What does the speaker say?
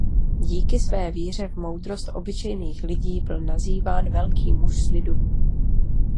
Díky své víře v moudrost obyčejných lidí byl nazýván „Velký muž z lidu“.